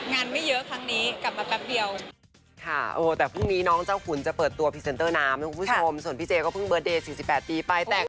ไม่เยอะครั้งนี้กลับมาแป๊บเดียว